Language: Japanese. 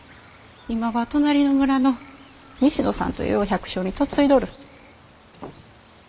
今は隣の村の西野さんというお百姓に嫁いどる。